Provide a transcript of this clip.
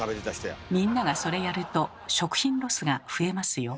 みんながそれやると食品ロスが増えますよ。